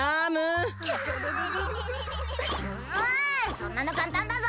そんなの簡単だぞ！